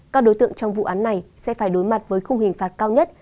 các đối tượng trong vụ án này sẽ phải đối mặt với khung hình phạt cao nhất